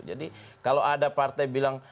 jadi kalau ada partai bilang